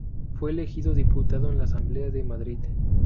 Fue elegido diputado en la Asamblea de Madrid.